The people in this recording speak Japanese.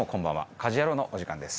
『家事ヤロウ！！！』のお時間です。